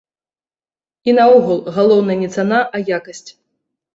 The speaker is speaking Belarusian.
І наогул, галоўнае не цана, а якасць.